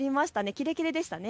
キレキレでしたね。